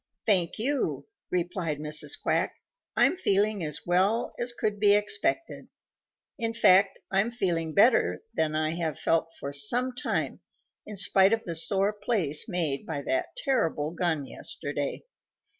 "Thank you," replied Mrs. Quack. "I'm feeling as well as could be expected. In fact, I'm feeling better than I have felt for some time in spite of the sore place made by that terrible gun yesterday.